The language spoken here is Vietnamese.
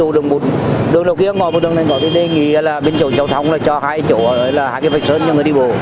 đầu đường kia ngồi một đường này bọn tôi đề nghị là bên chỗ giao thông cho hai chỗ là hai cái vạch sơn cho người đi bộ